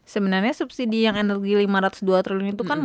sebenarnya subsidi yang energi lima ratus dua triliun itu kan